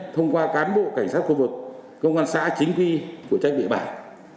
thông qua cán bộ cảnh sát khu vực công an xã chính quy của trách địa bài